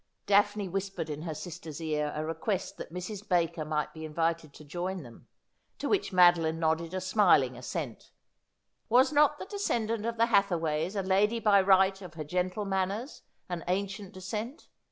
Daphne whispered in her sister's ear a request that Mrs. Baker might be invited to join them, to which Madoline nodded a smiling assent. Was not the descendant of the Hathaways a lady by right of her gentle manners and ancient descent